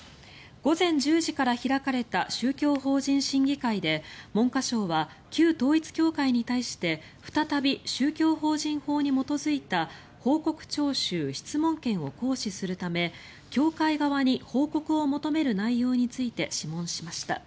午前１０時から開かれた宗教法人審議会で文科省は旧統一教会に対して再び宗教法人法に基づいた報告徴収・質問権を行使するため教会側に報告を求める内容について諮問しました。